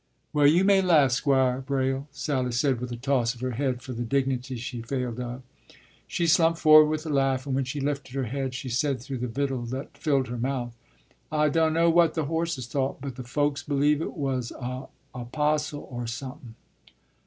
” “Well, you may laugh, Squire Braile,” Sally said with a toss of her head for the dignity she failed of. She slumped forward with a laugh, and when she lifted her head she said through the victual that filled her mouth, “I dunno what the horses thought, but the folks believe it was a apostle, or somepin.